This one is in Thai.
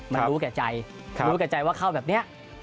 มันรู้แก่ใจรู้แก่ใจว่าเข้าแบบนี้